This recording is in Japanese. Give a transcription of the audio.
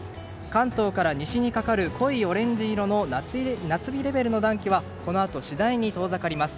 関東から西にかかる濃いオレンジ色の夏日レベルの暖気はこのあと次第に遠ざかります。